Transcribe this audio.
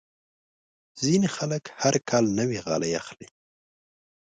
ځینې خلک هر کال نوې غالۍ اخلي.